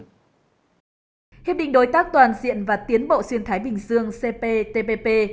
hiệp định đối tác toàn diện và tiến bộ xuyên thái bình dương cptpp